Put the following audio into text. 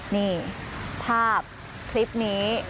นี่ภาพคลิปนี้